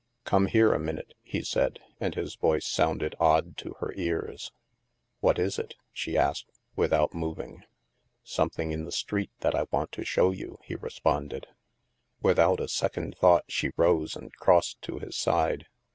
" Come here a minute," he said, and his voice sounded odd to her ears. "What is it?" she asked, without moving. *' Something in the street that I want to show you," he responded. Without a second thought, she rose and crossed to his side.